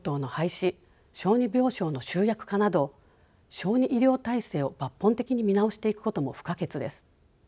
小児病床の集約化など小児医療体制を抜本的に見直していくことも不可欠です。